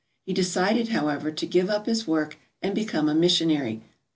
He decided, however, to give up his work and become a missionary.